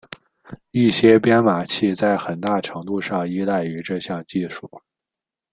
一些编码器在很大程度上依赖于这项技术。